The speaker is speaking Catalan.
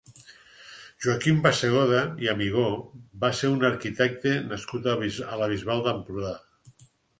Joaquim Bassegoda i Amigó va ser un arquitecte nascut a la Bisbal d'Empordà.